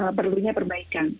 maka perlunya perbaikan